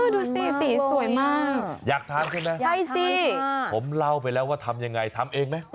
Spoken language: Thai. ดูสิสีสวยมากอยากทานใช่ไหมใช่สิผมเล่าไปแล้วว่าทำยังไงทำเองไหม